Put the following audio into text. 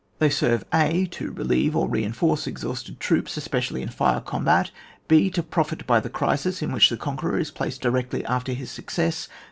They serve {a) to relieve or reinforce ex hausted troops, especially in fire combat. (i) To profit by the crisis in which the conqueror is placed directly after his success.